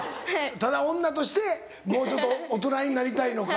ただ女としてもうちょっと大人になりたいのか。